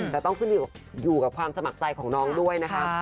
แต่ต้องขึ้นอยู่กับความสมัครใจของน้องด้วยนะคะ